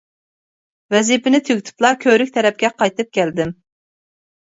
ۋەزىپىنى تۈگىتىپلا كۆۋرۈك تەرەپكە قايتىپ كەلدىم.